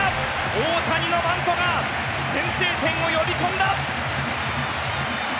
大谷のバントが先制点を呼び込んだ！